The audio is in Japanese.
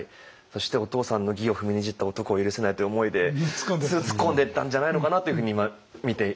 そしてお父さんの義を踏みにじった男を許せないという思いで突っ込んでったんじゃないのかなっていうふうに今見ていました。